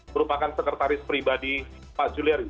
merupakan sekretaris pribadi pak juliari